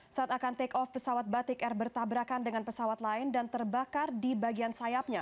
saat akan take off pesawat batik air bertabrakan dengan pesawat lain dan terbakar di bagian sayapnya